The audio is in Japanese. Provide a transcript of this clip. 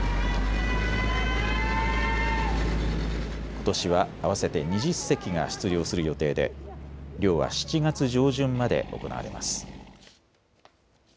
ことしは合わせて２０隻が出漁する予定で漁は７月上旬まで行われます。